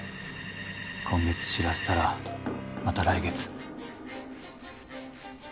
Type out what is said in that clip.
今月知らせたらまた来月